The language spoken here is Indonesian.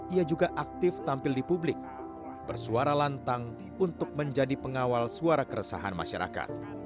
ia juga aktif tampil di publik bersuara lantang untuk menjadi pengawal suara keresahan masyarakat